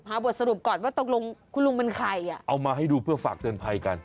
บทสรุปก่อนว่าตกลงคุณลุงเป็นใครอ่ะเอามาให้ดูเพื่อฝากเตือนภัยกัน